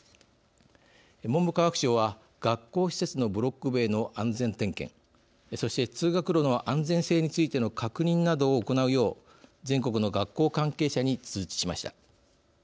文部科学省は学校施設のブロック塀の安全点検そして通学路の安全性についての確認などを行うよう全国の学校関係者に通知しました。